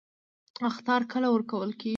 اخطار کله ورکول کیږي؟